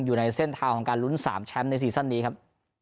อยู่ในเส้นทางของการลุ้น๓แชมป์ในซีซั่นนี้ครับ